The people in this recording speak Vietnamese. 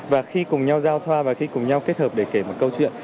và khi cùng nhau giao thoa và khi cùng nhau kết hợp để kể một câu chuyện